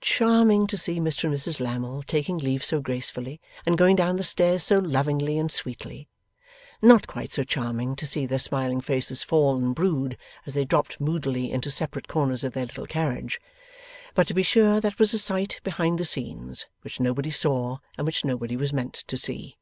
Charming to see Mr and Mrs Lammle taking leave so gracefully, and going down the stairs so lovingly and sweetly. Not quite so charming to see their smiling faces fall and brood as they dropped moodily into separate corners of their little carriage. But to be sure that was a sight behind the scenes, which nobody saw, and which nobody was meant to see.